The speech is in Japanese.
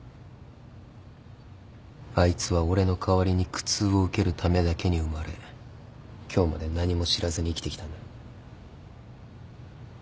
あいつは俺の代わりに苦痛を受けるためだけに生まれ今日まで何も知らずに生きてきたんだ。